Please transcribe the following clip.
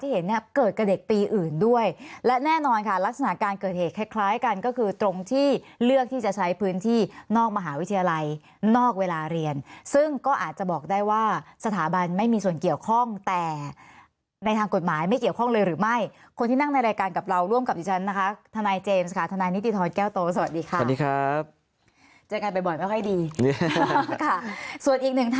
หลายกันก็คือตรงที่เลือกที่จะใช้พื้นที่นอกมหาวิทยาลัยนอกเวลาเรียนซึ่งก็อาจจะบอกได้ว่าสถาบันไม่มีส่วนเกี่ยวข้องแต่ในทางกฎหมายไม่เกี่ยวข้องเลยหรือไม่คนที่นั่งในรายการกับเราร่วมกับดิฉันนะคะทนายเจมส์ค่ะทนายนิติธรแก้วโตสวัสดีค่ะสวัสดีครับเจอกันบ่อยไม่ค่อยดีส่วนอีกหนึ่ง